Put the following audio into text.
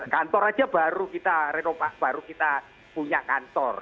kantor aja baru kita renovasi baru kita punya kantor